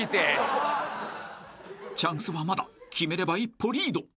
［チャンスはまだ決めれば一歩リード］